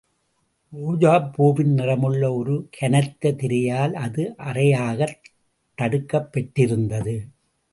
ரோஜாப்பூவின் நிறமுள்ள ஒரு கனத்த திரையால் அது அறையாகத் தடுக்கப்பெற்றிருந்தது.